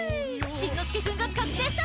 しんのすけくんが覚醒した。